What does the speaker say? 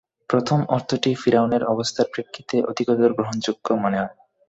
প্রথম অর্থটি ফিরআউনের অবস্থার প্রেক্ষিতে অধিকতর গ্রহণযোগ্য মনে হয়।